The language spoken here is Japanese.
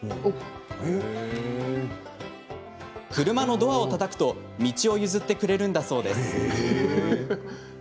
車のドアをたたくと道を譲ってくれるんだそうです。